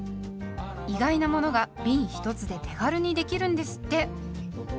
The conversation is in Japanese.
意外なものがびん１つで手軽にできるんですって。